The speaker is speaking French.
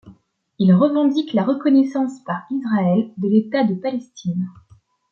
Ils revendiquent la reconnaissance par Israël de l'État de Palestine.